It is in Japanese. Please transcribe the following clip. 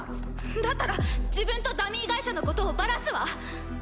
だったら自分とダミー会社のことをばらすわ。